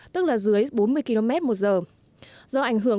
tức là dưới bốn mươi km một giờ